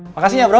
makasih ya bro